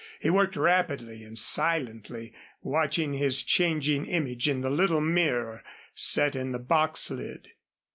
He worked rapidly and silently, watching his changing image in the little mirror set in the box lid.